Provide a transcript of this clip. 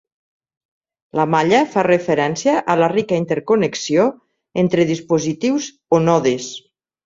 La malla fa referència a la rica interconnexió entre dispositius o nodes.